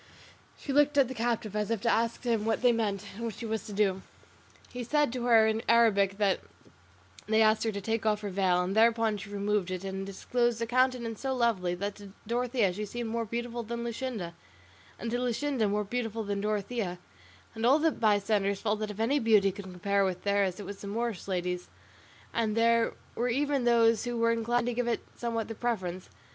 She looked at the captive as if to ask him what they meant and what she was to do. He said to her in Arabic that they asked her to take off her veil, and thereupon she removed it and disclosed a countenance so lovely, that to Dorothea she seemed more beautiful than Luscinda, and to Luscinda more beautiful than Dorothea, and all the bystanders felt that if any beauty could compare with theirs it was the Moorish lady's, and there were even those who were inclined to give it somewhat the preference.